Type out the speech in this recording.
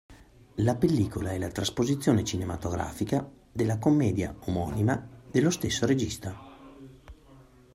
La pellicola è la trasposizione cinematografica della commedia omonima dello stesso regista.